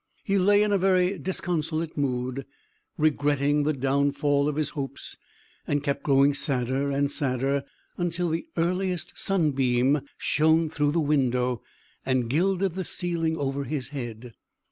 He lay in a very disconsolate mood, regretting the downfall of his hopes and kept growing sadder and sadder, until the earliest sunbeam shone through the window, and gilded the ceiling over his head.